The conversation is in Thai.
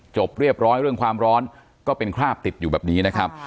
จบเรียบร้อยเรื่องความร้อนก็เป็นคราบติดอยู่แบบนี้นะครับ